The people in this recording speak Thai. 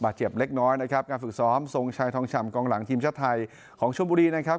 เจ็บเล็กน้อยนะครับการฝึกซ้อมทรงชัยทองฉ่ำกองหลังทีมชาติไทยของชมบุรีนะครับ